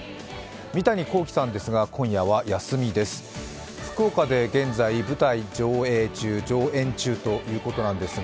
三谷幸喜さんですが今夜は休みです。